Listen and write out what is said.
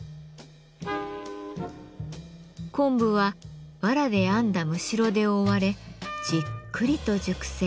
昆布はわらで編んだむしろで覆われじっくりと熟成。